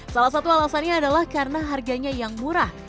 salah satu alasannya adalah karena harganya yang murah